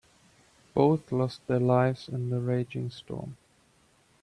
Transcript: Both lost their lives in the raging storm.